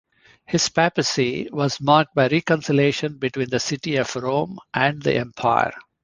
His papacy was marked by reconciliation between the city of Rome and the Empire.